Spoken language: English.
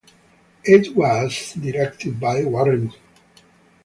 It was directed by Warren Fu.